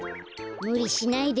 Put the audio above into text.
むりしないで。